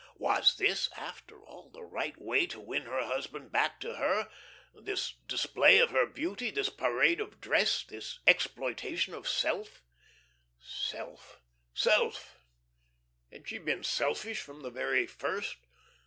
Was this, after all, the right way to win her husband back to her this display of her beauty, this parade of dress, this exploitation of self? Self, self. Had she been selfish from the very first?